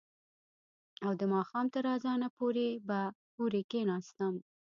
او د ماښام تر اذانه پورې به هورې کښېناستم.